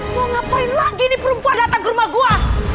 lu ngapain lagi nih perempuan datang ke rumah gua